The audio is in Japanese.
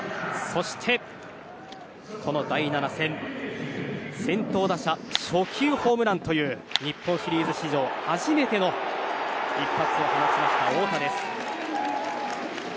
そして、第７戦先頭打者初球ホームランという日本シリーズ史上初めての一発を放ちました太田です。